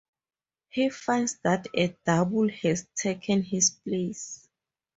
He finds that a double has taken his place.